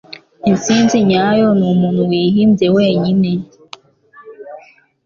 Intsinzi nyayo numuntu wihimbye wenyine.